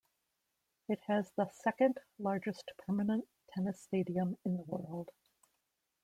It has the second-largest permanent tennis stadium in the world.